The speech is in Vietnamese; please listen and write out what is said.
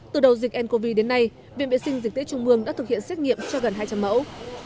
từ đầu dịch ncov đến nay viện vệ sinh dịch tễ trung mương đã thực hiện xét nghiệm cho gần hai trăm linh mẫu